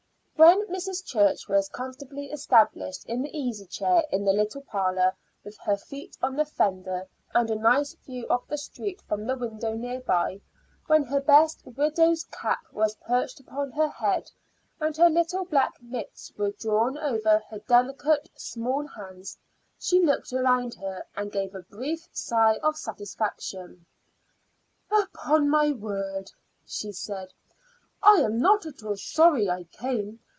When Mrs. Church was comfortably established in the easy chair in the little parlor, with her feet on the fender, and a nice view of the street from the window near by when her best widow's cap was perched upon her head, and her little black mitts were drawn over her delicate, small hands she looked around her and gave a brief sigh of satisfaction. "Upon my word," she said, "I'm not at all sorry I came.